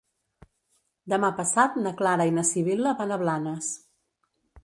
Demà passat na Clara i na Sibil·la van a Blanes.